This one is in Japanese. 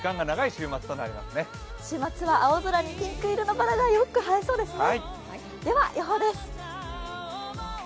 週末は青空にピンク色のバラがよく映えそうですね。